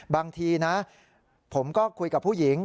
บางทีนะผมก็คุยกับผู้หญิง